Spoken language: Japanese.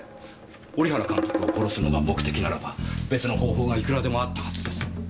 織原監督を殺すのが目的ならば別の方法がいくらでもあったはずです。